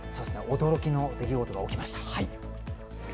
驚きの出来事が起きました。